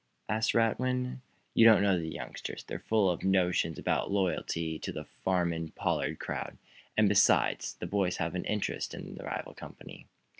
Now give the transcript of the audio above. asked Radwin. "You don't know the youngsters. They're full of fool notions about loyalty to the Farnum Pollard crowd. And, besides, the boys have an interest in the rival company."